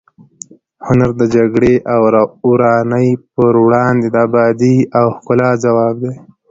هنر د جګړې او ورانۍ پر وړاندې د ابادۍ او ښکلا ځواب دی.